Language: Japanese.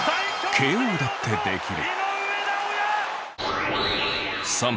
ＫＯだってできる。